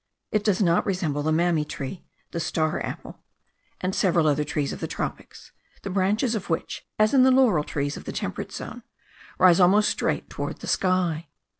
It does not resemble the mammee tree, the star apple, and several other trees of the tropics, the branches of which (as in the laurel trees of the temperate zone) rise almost straight towards the sky.